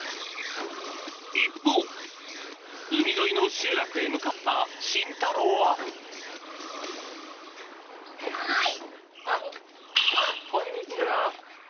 一方海沿いの集落へ向かったシンタローはあっこんにちは。